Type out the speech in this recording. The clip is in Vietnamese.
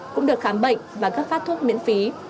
cũng được khám bệnh và cấp phát thuốc miễn phí